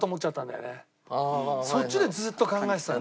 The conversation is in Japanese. そっちでずっと考えてた。